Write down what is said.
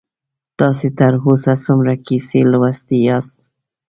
تاسې تر اوسه څومره کیسې لوستي یاست؟